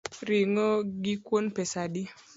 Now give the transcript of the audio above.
Ring’o gi kuon pesa adi?